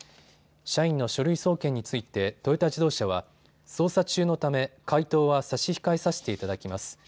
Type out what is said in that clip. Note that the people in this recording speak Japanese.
社員の書類送検についてトヨタ自動車は捜査中のため回答は差し控えさせていただきます。